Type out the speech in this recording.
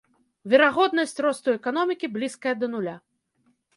Верагоднасць росту эканомікі блізкая да нуля.